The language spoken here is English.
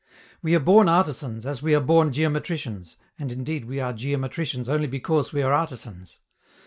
We are born artisans as we are born geometricians, and indeed we are geometricians only because we are artisans.